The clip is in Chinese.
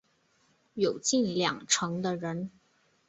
有近两成的人